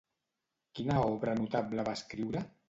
Quina obra notable va escriure?